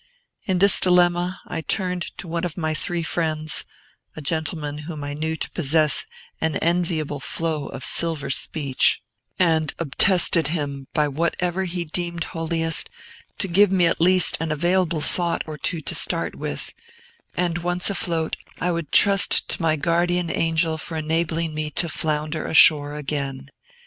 In this dilemma, I turned to one of my three friends, a gentleman whom I knew to possess an enviable flow of silver speech, and obtested him, by whatever he deemed holiest, to give me at least an available thought or two to start with, and, once afloat, I would trust to my guardian angel for enabling me to flounder ashore again.